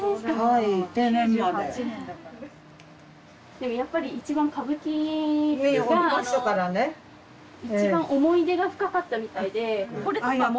でもやっぱり一番歌舞伎が一番思い出が深かったみたいでこれとかも。